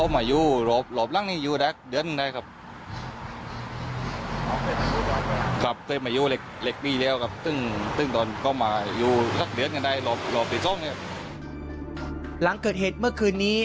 หลังเกิดเหตุเมื่อคืนนี้